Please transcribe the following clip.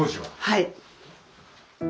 はい。